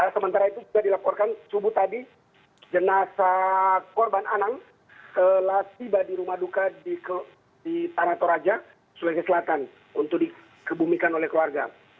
sementara itu juga dilaporkan subuh tadi jenazah korban anang telah tiba di rumah duka di tanah toraja sulawesi selatan untuk dikebumikan oleh keluarga